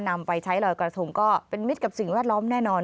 นำไปใช้ลอยกระทงก็เป็นมิตรกับสิ่งแวดล้อมแน่นอน